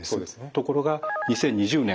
ところが２０２０年